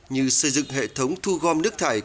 như xây dựng hệ thống thu gom nước thải